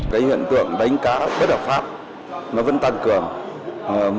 cái hiện tượng đánh cá bất hợp pháp nó vẫn tăng cường